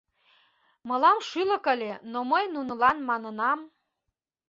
Мылам шӱлык ыле, но мый нунылан манынам: